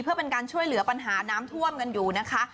เพื่อเป็นการช่วยเหลือปัญหาน้ำท่วมกันอยู่นะคะ